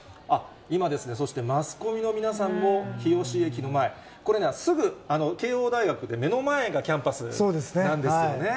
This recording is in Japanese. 今、そしてマスコミの皆さんも、日吉駅の前、これね、すぐ慶応大学って目の前がキャンパスなんですよね。